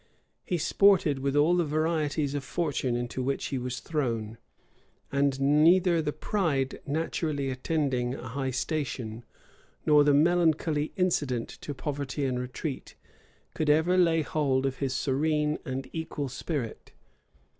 He sported with all the varieties of fortune into which he was thrown; and neither the pride naturally attending a high station, nor the melancholy incident to poverty and retreat, could ever lay hold of his serene and equal spirit.